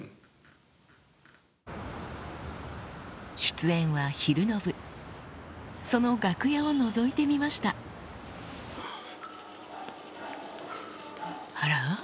出演は昼の部その楽屋をのぞいてみましたあら？